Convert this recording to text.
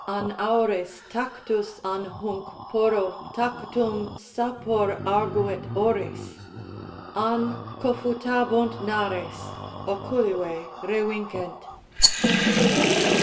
an aures Tactus an hunc porro tactum sapor argnet oris? An confutabunt nares, oculive revincent?